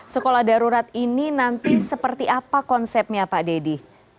sekolah darurat ini nanti seperti apa konsepnya pak dedy